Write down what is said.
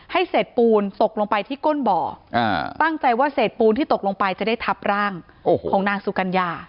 เศษปูนตกลงไปที่ก้นบ่อตั้งใจว่าเศษปูนที่ตกลงไปจะได้ทับร่างของนางสุกัญญา